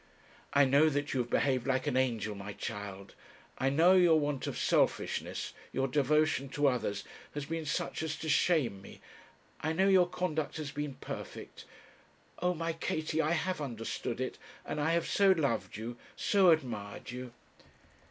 'I know that you have behaved like an angel, my child; I know your want of selfishness, your devotion to others, has been such as to shame me; I know your conduct has been perfect: oh, my Katie, I have understood it, and I have so loved you, so admired you.'